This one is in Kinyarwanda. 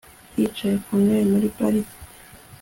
Yicaye ku ntebe muri parike